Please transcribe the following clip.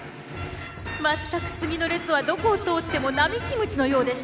全く杉の列はどこを通っても並木道のようでした。